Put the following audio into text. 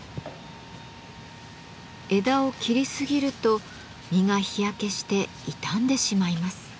枝を切りすぎると実が日焼けして傷んでしまいます。